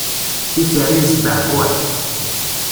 Ikerri yesbeɛbuɛ.